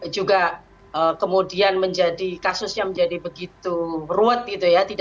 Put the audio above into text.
juga kemudian kasusnya menjadi begitu ruwet